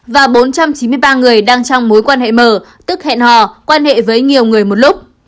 và bốn trăm chín mươi ba người đang trong mối quan hệ mở tức hẹn hò quan hệ với nhiều người một lúc